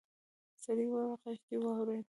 سړي وويل غږ دې واورېد.